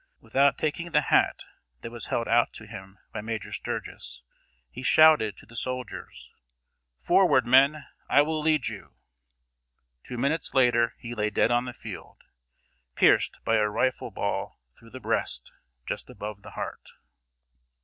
Without taking the hat that was held out to him by Major Sturgis, he shouted to the soldiers: "Forward, men! I will lead you." Two minutes later he lay dead on the field, pierced by a rifle ball through the breast, just above the heart.